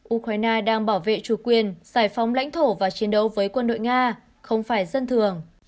ukraine đang bảo vệ chủ quyền giải phóng lãnh thổ và chiến đấu với quân đội nga không phải dân thường